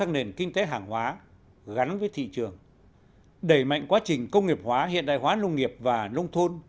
đẩy mạnh quá trình công nghiệp hóa hiện đại hóa nông nghiệp và nông thôn